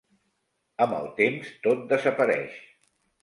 Amb el temps tot desapareix.